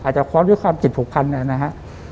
อาจจะความด้วยความจิตผูกพันธ์นะฮะ